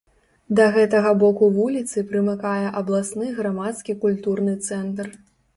Да гэтага боку вуліцы прымыкае абласны грамадскі культурны цэнтр.